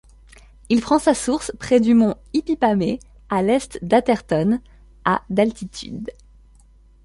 Il prend sa source près du mont Hypipamee, à l'est d'Atherton, à d'altitude.